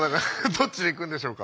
どっちでいくんでしょうか？